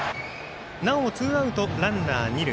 なおツーアウトランナー、二塁。